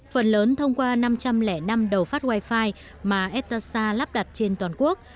phần lớn thông qua năm trăm linh năm đầu phát wifi mà etasa lắp đặt trên toàn quốc